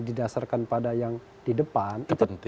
di dasarkan pada yang di depan